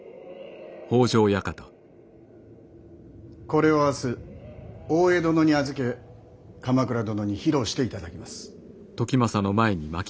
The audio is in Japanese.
これを明日大江殿に預け鎌倉殿に披露していただきます。